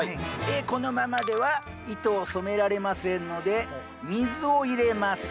このままでは糸を染められませんので水を入れます。